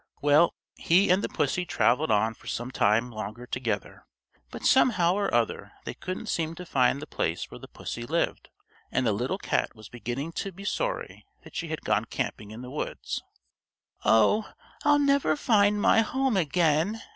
Well, he and the pussy traveled on for some time longer together, but somehow or other they couldn't seem to find the place where the pussy lived, and the little cat was beginning to be sorry that she had gone camping in the woods. "Oh, I know I'll never find my home again!"